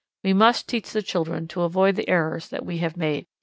We must teach the children to avoid the errors that we have made.